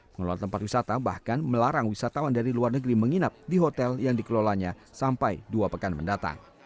pengelola tempat wisata bahkan melarang wisatawan dari luar negeri menginap di hotel yang dikelolanya sampai dua pekan mendatang